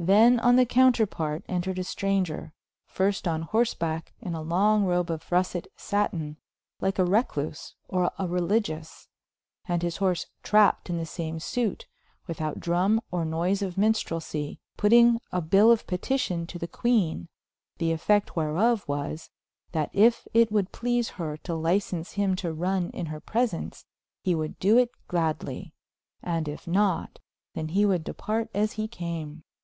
Then on the counter parte, entered a Straunger, fyrst on horsebacke in a long robe of Russet satyne, like a recluse or a religious, and his horse trapped in the same sewte, without dromme or noyse of mynstrelsye, puttinge a byll of peticion to the Quene, the effect whereof was, that if it would please her to license hym to runne in her presence, he would do it gladly, and if not, then he would departe as he came.